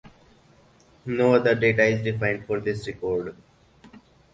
No other data is defined for this record.